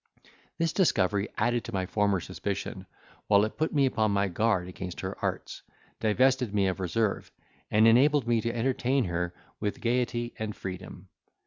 This discovery added to my former suspicion, while it put me upon my guard against her arts, divested me of reserve, and enabled me to entertain her with gaiety and freedom.